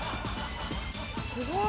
すごい。